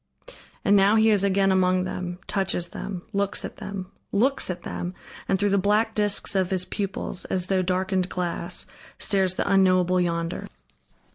And now he is again among them, touches them, looks at them, looks at them! and through the black discs of his pupils, as through darkened glass, stares the unknowable Yonder.